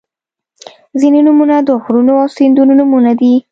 • ځینې نومونه د غرونو او سیندونو نومونه دي.